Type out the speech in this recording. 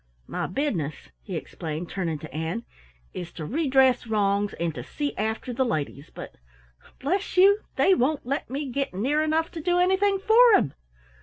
My business," he explained, turning to Ann, "is to redress wrongs and to see after the ladies, but bless you they won't let me get near enough to do anything for 'em!"